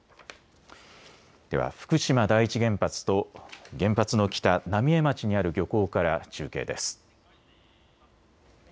では福島第一原発と原発の北、浪江町にある漁港から中継です。